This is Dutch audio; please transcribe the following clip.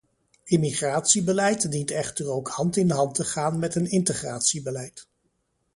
Immigratiebeleid dient echter ook hand in hand te gaan met een integratiebeleid.